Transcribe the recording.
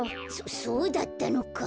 そそうだったのか。